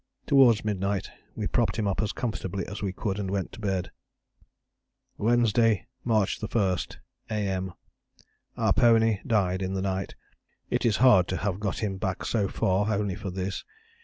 Towards midnight we propped him up as comfortably as we could and went to bed. "Wednesday, March 1. A.M. Our pony died in the night. It is hard to have got him back so far only for this.